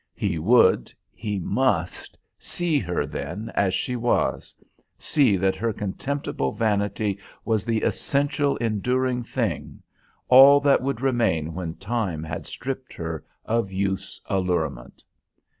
He would, he must, see her then as she was, see that her contemptible vanity was the essential enduring thing, all that would remain when time had stripped her of youth's allurement.